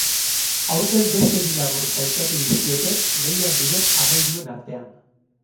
Aurten beste bi labur sailkatu dizkiote lehian diren hamairuen artean.